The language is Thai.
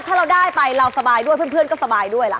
ถ้าเราได้ไปเราสบายด้วยเพื่อนก็สบายด้วยล่ะ